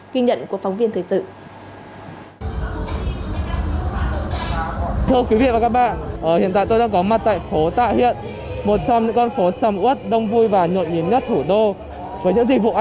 kinh nhận của phóng viên thời sự